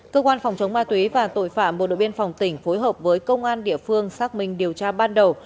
cơ quan phòng chống ma túy và tội phạm bộ đội biên phòng tỉnh phối hợp với công an địa phương xác minh điều tra ban đầu